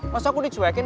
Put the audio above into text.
masa aku dicuekin